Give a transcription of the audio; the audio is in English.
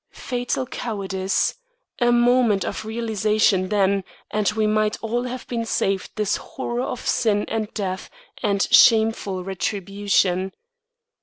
Fatal cowardice! A moment of realisation then and we might all have been saved this horror of sin and death and shameful retribution.